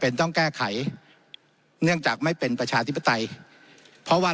เป็นต้องแก้ไขเนื่องจากไม่เป็นประชาธิปไตยเพราะว่า